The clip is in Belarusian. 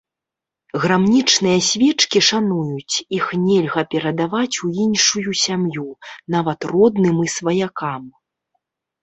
Грамнічныя свечкі шануюць, іх нельга перадаваць у іншую сям'ю, нават родным і сваякам.